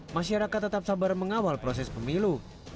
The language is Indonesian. masyarakat tetap sabar mengawal proses pemilu